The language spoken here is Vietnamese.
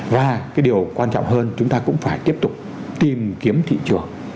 và cái điều quan trọng hơn chúng ta cũng phải tiếp tục tìm kiếm thị trường